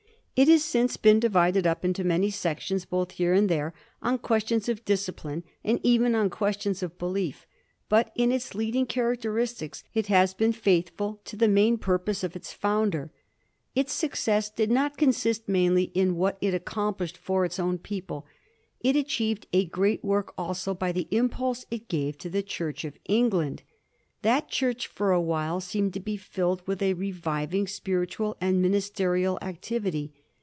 It has since been di vided up into many sections, both here and there, on ques tions of discipline, and even on questions of belief; but in its leading characteristics it has been faithful to the main purpose of its founder. Its success did not consist mainly in what it accomplished for its own people ; it achieved a great work also by the impulse it gave to the Church of England. That Church for a while seemed to be filled with a reviving spiritual and ministerial activity.